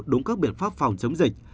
đúng các biện pháp phòng chống dịch